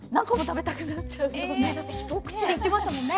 もうだって一口で行ってましたもんね。